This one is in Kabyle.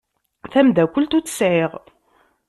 Tamdakelt ur tt-sεiɣ.